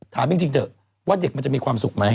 ถามจริงเถอะว่าเด็กมันจะมีความสุขไหม